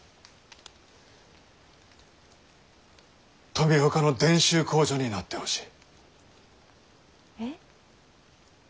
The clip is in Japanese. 富岡の伝習工女になってほしい。え？